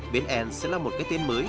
bên n sẽ là một cái tên mới